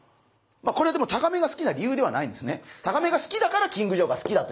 まあこれはでもタガメが好きな理由ではないんですね。